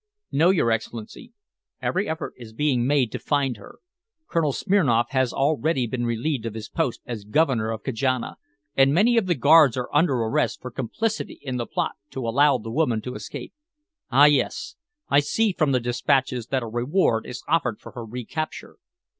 "No, your Excellency. Every effort is being made to find her. Colonel Smirnoff has already been relieved of his post as Governor of Kajana, and many of the guards are under arrest for complicity in the plot to allow the woman to escape." "Ah, yes. I see from the despatches that a reward is offered for her recapture."